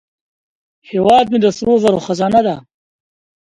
هیواد مې د سرو زرو خزانه ده